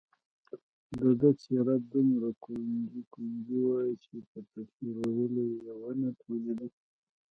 د ده څېره دومره ګونجي ګونجي وه چې په تفسیرولو یې ونه توانېدم.